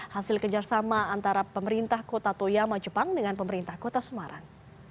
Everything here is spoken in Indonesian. hasil kerjasama antara pemerintah kota toyama jepang dengan pemerintah kota semarang